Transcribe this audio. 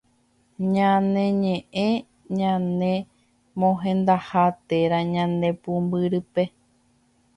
Ñañe'ẽ ñane mohendaha térã ñane pumbyrýpe